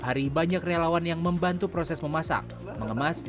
hari banyak relawan yang membantu proses memasak mengemas